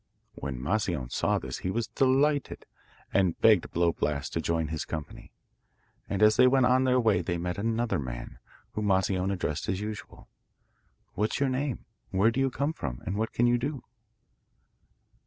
When Moscione saw this he was delighted, and begged Blow Blast to join his company. And as they went on their way they met another man, whom Moscione addressed as usual: 'What's your name: where do you come from, and what can you do?